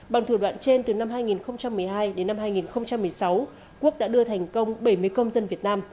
bằng thủ đoạn trên từ năm hai nghìn một mươi hai đến năm hai nghìn một mươi sáu quốc đã đưa thành công bảy mươi công dân việt nam